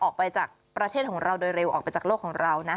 ออกไปจากประเทศของเราโดยเร็วออกไปจากโลกของเรานะ